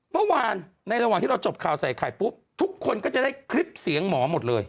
เมื่อวานในระหว่างที่เราจบข่าวใส่ไข่ปุ๊บทุกคนก็จะได้คลิปเสียงหมอหมดเลย